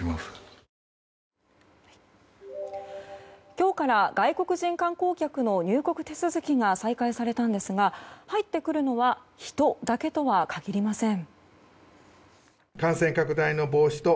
今日から外国人観光客の入国手続きが再開されたんですが入ってくるのは人だけとは限りません。